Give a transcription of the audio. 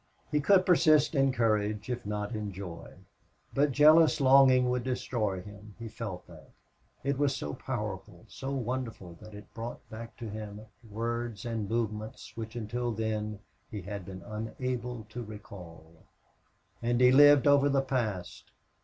He could persist in courage if not in joy. But jealous longing would destroy him he felt that. It was so powerful, so wonderful that it brought back to him words and movements which until then he had been unable to recall. And he lived over the past.